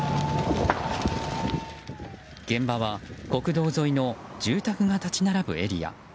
現場は国道沿いの住宅が立ち並ぶエリア。